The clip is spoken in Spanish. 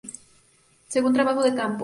Según trabajo de campo.